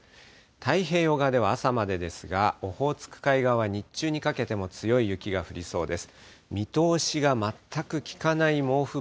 太平洋側では朝までですが、オホーツク海側は日中にかけても強い雪が降りそうです。